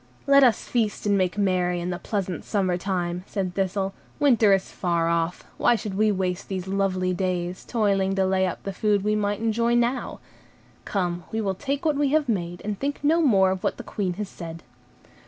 "Let us feast and make merry in the pleasant summer time," said Thistle; "winter is far off, why should we waste these lovely days, toiling to lay up the food we might enjoy now. Come, we will take what we have made, and think no more of what the Queen has said."